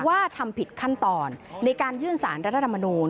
ทำผิดขั้นตอนในการยื่นสารรัฐธรรมนูล